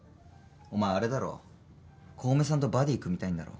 お前あれだろ小梅さんとバディー組みたいんだろ。